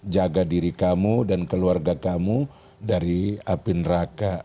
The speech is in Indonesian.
jaga diri kamu dan keluarga kamu dari api neraka